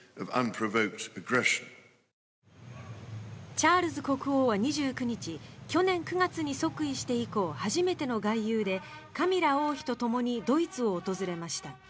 チャールズ国王は２９日去年９月に即位して以降初めての外遊でカミラ王妃とともにドイツを訪れました。